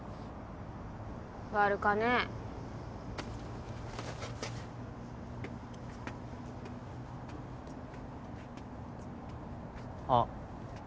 悪かねあっ